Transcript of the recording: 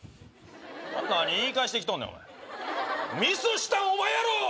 何言い返してきとんねんお前ミスしたんお前やろ！